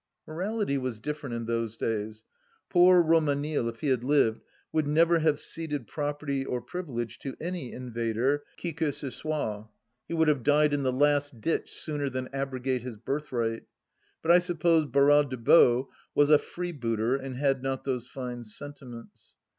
Morality was different in those days. Poor RomanUle, if he had lived, would never have ceded property or privilege to any invader, qui que ce soit. He would have died in the Last Ditch sooner than abrogate his birthright. ... But I suppose Barral des Baux was a freebooter and had not those fine sentiments.